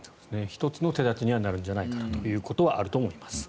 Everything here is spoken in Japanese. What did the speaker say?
１つの手立てにはなるんじゃないかなということはあると思います。